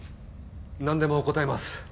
なんでも答えます。